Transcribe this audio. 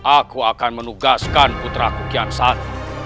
aku akan menugaskan putraku kian sari